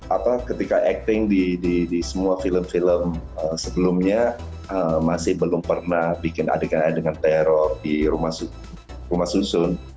apa ketika acting di semua film film sebelumnya masih belum pernah bikin adegan adegan teror di rumah susun